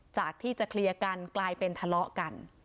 จากที่จะเคลียร์กันกลายเป็นทะเลาะกัน